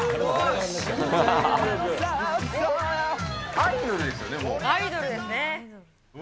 アイドルですよね、もう。